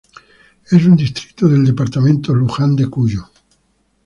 Es un distrito del departamento Luján de Cuyo.